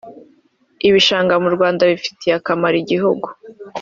Ibishanga mu Rwanda bifitiye akamaro igihugu